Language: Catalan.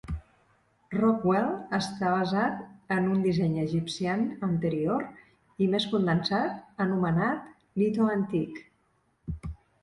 Rockwell està basat en un disseny Egyptienne anterior i més condensat anomenat "Litho Antique".